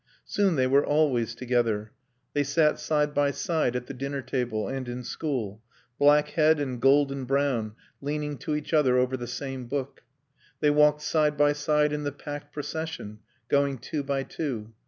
Soon they were always together. They sat side by side at the dinner table and in school, black head and golden brown leaning to each other over the same book; they walked side by side in the packed procession, going two by two.